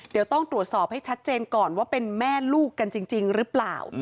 เดี๋ยวต้องตรวจสอบให้ชัดเจนก่อนว่าเป็นแม่ลูกกันจริงหรือเปล่า